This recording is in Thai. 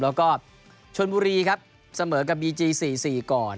และก็ชะวนบุรีสเสมอกับบีจี๔๔ก่อน